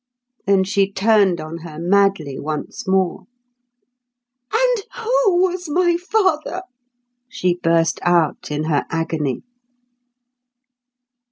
Then she turned on her madly once more. "And who was my father?" she burst out in her agony.